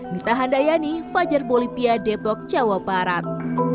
mita handayani fajar bolivia depok jawa barat